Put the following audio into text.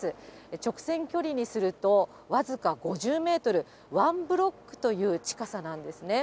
直線距離にすると僅か５０メートル、ワンブロックという近さなんですね。